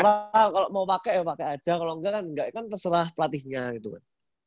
terserah kalau mau pakai pakai aja kalau nggak kan nggak kan terserah pelatihnya gitu kan